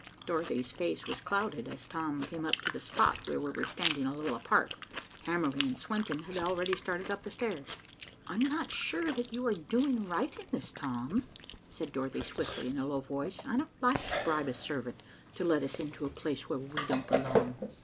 Dorothy's face was clouded as Tom came up to the spot where we were standing a little apart, Hamerly and Swenton had already started up the stairs. "I'm not sure that you are doing right in this, Tom," said Dorothy swiftly, in a low voice. "I don't like to bribe a servant to let us into a place where we don't belong."